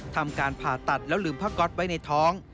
ทำการผ่าตัดแล้วลืมผ้าก๊อตไว้ในท้อง